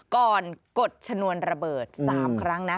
กดชนวนระเบิด๓ครั้งนะ